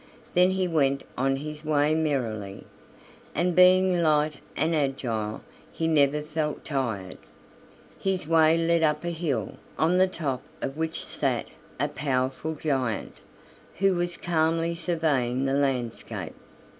Then he went on his way merrily, and being light and agile he never felt tired. His way led up a hill, on the top of which sat a powerful giant, who was calmly surveying the landscape.